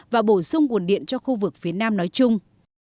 và bổ sung nguồn điện cho khu vực phía nam nói chung